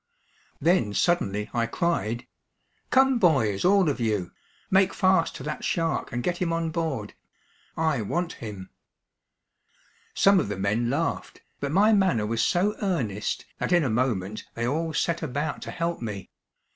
Then suddenly I cried: "Come boys, all of you. Make fast to that shark, and get him on board. I want him." Some of the men laughed, but my manner was so earnest that in a moment they all set about to help me.